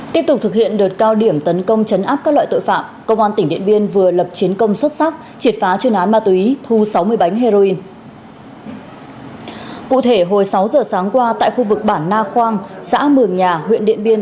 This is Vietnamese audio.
tiếp tục thực hiện đợt cao điểm tấn công chấn áp các loại tội phạm công an tỉnh điện biên vừa lập chiến công xuất sắc triệt phá chuyên án ma túy thu sáu mươi bánh heroin